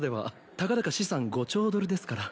たかだか資産５兆ドルですから。